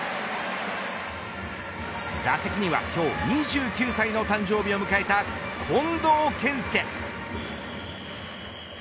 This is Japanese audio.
打席には今日２９歳の誕生日を迎えた近藤健介。